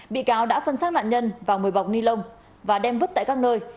bị cáo đã phân xác nạn nhân vào mười bọc ni lông và đem vứt tại các nơi